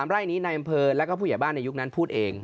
ไร่นี้ในอำเภอแล้วก็ผู้ใหญ่บ้านในยุคนั้นพูดเอง